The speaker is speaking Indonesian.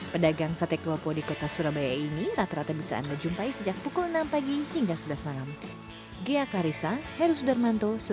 pedagang sate klopo di kota surabaya ini rata rata bisa anda jumpai sejak pukul enam pagi hingga sebelas malam